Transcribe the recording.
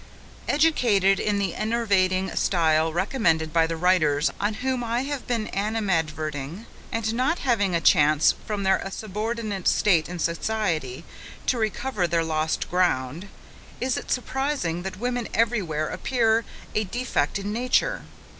Educated in the enervating style recommended by the writers on whom I have been animadverting; and not having a chance, from their subordinate state in society, to recover their lost ground, is it surprising that women every where appear a defect in nature?